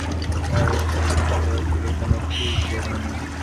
লাল হয়ে থাকে কিন্তু এগুলো থেকে কোনো পুঁজ বের হয় না।